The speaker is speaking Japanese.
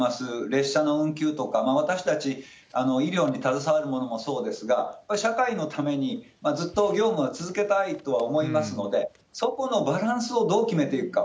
列車の運休とか、私たち医療に携わる者もそうですが、やっぱり社会のために、ずっと業務は続けたいとは思いますので、そこのバランスをどう決めていくか。